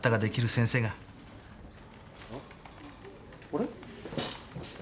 あれ？